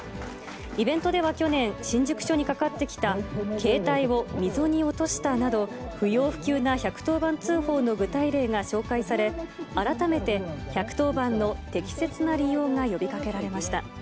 イベントでは去年、新宿署にかかってきた、携帯を溝に落としたなど、不要不急な１１０番通報の具体例が紹介され、改めて１１０番の適切な利用が呼びかけられました。